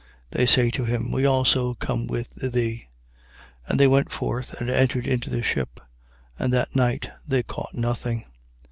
They say to him: We also come with thee. And they went forth and entered into the ship: and that night they caught nothing.